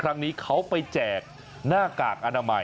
ครั้งนี้เขาไปแจกหน้ากากอนามัย